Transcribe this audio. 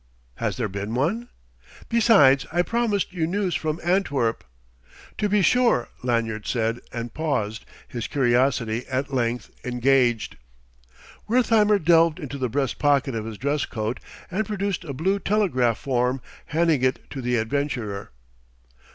"Has there been one?" "Besides, I promised you news from Antwerp." "To be sure," Lanyard said, and paused, his curiosity at length engaged. Wertheimer delved into the breast pocket of his dress coat and produced a blue telegraph form, handing it to the adventurer.